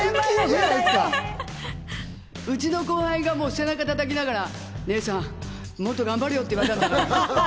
うちの後輩が背中を叩きながら、姉さん、もっと頑張れよ！って言われたんだから。